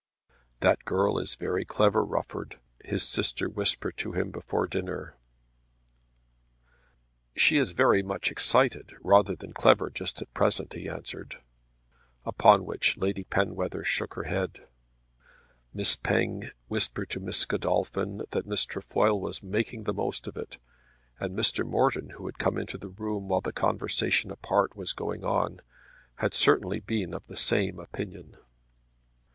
"That girl is very clever, Rufford," his sister whispered to him before dinner. "She is very much excited rather than clever just at present," he answered; upon which Lady Penwether shook her head. Miss Penge whispered to Miss Godolphin that Miss Trefoil was making the most of it; and Mr. Morton, who had come into the room while the conversation apart was going on, had certainly been of the same opinion.